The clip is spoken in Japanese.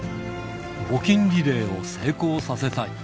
募金リレーを成功させたい。